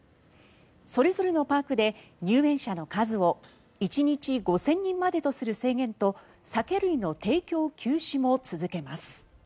それぞれのパークで入園者の数を１日５０００人までとする制限と酒類の提供休止も続けます。